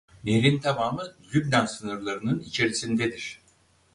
Nehrin tamamı Lübnan sınırlarının içerisindedir.